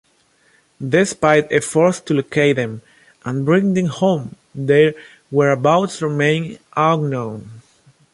Despite efforts to locate them and bring them home, their whereabouts remain unknown.